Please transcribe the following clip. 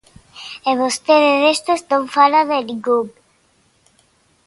E vostede destes non fala de ningún.